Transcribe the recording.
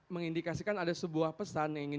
mengindikasikan ada sebuah pesan yang ingin